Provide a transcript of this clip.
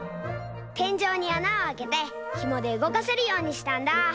てんじょうにあなをあけてひもでうごかせるようにしたんだ。